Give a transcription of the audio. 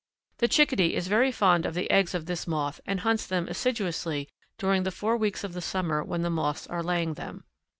The Chickadee is very fond of the eggs of this moth and hunts them assiduously during the four weeks of the summer when the moths are laying them.